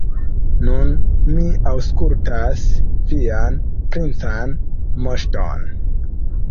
Nun mi aŭskultas vian princan moŝton.